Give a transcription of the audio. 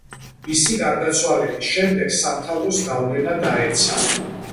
მისი გარდაცვალების შემდეგ სამთავროს გავლენა დაეცა.